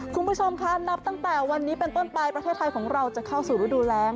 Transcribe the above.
คุณผู้ชมค่ะนับตั้งแต่วันนี้เป็นต้นไปประเทศไทยของเราจะเข้าสู่ฤดูแรง